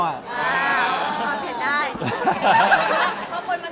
ปวดเปลี่ยนได้